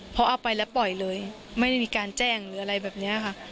เพราะเอาไปแล้วปล่อยเลยไม่ได้มีการแจ้งหรืออะไรแบบนี้ค่ะ